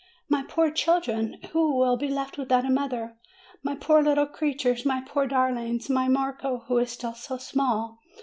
My poor children, who will be left without a mother, my poor little creatures, my poor darlings! My Marco, who is still so small!